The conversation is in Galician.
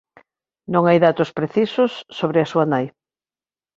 Non hai datos precisos sobre a súa nai.